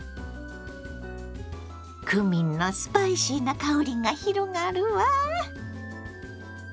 クミンのスパイシーな香りが広がるわ！